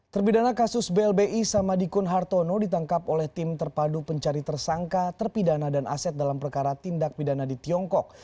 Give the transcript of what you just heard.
terpidana kasus blbi samadikun hartono ditangkap oleh tim terpadu pencari tersangka terpidana dan aset dalam perkara tindak pidana di tiongkok